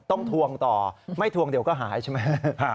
ทวงต่อไม่ทวงเดี๋ยวก็หายใช่ไหม